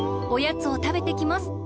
おやつをたべてきます。